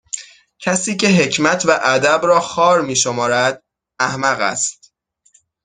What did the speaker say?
کسی که حکمت و ادب را خوار میشمارد احمق است